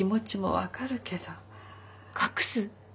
隠す？